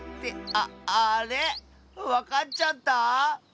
ああれ⁉わかっちゃった？